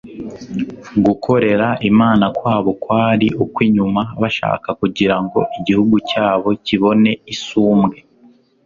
Gukorera Imana kwabo kwari ukw'inyuma bashaka kugira ngo igihugu cyabo kibone isumbwe.